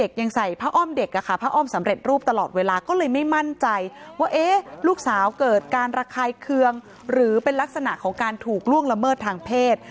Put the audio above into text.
การถูกล่วงละเมิดทางเพศ